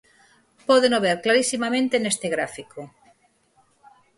Pódeno ver clarisimamente neste gráfico.